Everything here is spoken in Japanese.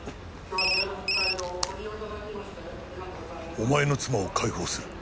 「お前の妻を解放する」